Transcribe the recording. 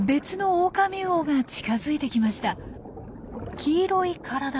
黄色い体。